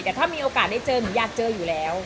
แต่ถ้ามีโอกาสได้เจอหนูอยากเจออยู่แล้ว